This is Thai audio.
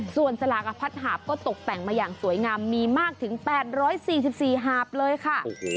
ส่วนสลากพัดหาบก็ตกแต่งมาอย่างสวยงามมีมากถึง๘๔๔หาบเลยค่ะ